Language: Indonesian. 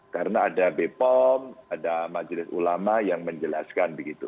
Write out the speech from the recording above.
karena ada bpom ada majelis ulama yang menjelaskan begitu